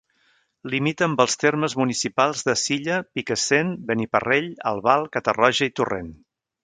Limita amb els termes municipals de Silla, Picassent, Beniparrell, Albal, Catarroja i Torrent.